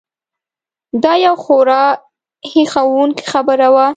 دا یو خورا هیښوونکې خبره وه.